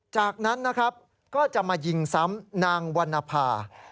จากนั้นนะครับก็จะมายิงซ้ำนางวรรณภา